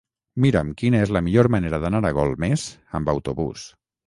Mira'm quina és la millor manera d'anar a Golmés amb autobús.